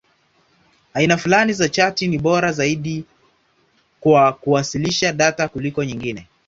Aina fulani za chati ni bora zaidi kwa kuwasilisha data kuliko nyingine.